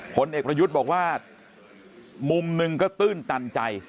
ผลเอกประยุทธ์บอกว่ามุมหนึ่งก็ตื้นตันใจ